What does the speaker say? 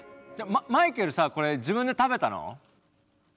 マイケルさこれ自分で食べたの？